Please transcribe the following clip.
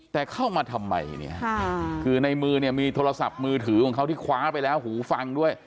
แต่เข้ามาทำไมเนี่ยคือในมือเนี่ยมีโทรศัพท์มือถือของเขาที่คว้าไปแล้วหูฟังด้วย